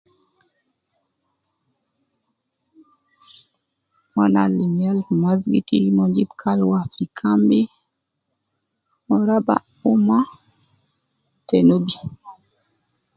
Mon alim yal fi masgiti mon jib kalwa fi kambi, mon raba umma te nubi